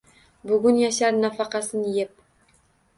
Bugun yashar nafaqasin yeb.